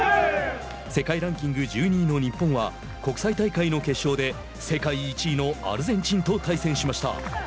世界ランキング１２位の日本は国際大会の決勝で世界１位のアルゼンチンと対戦しました。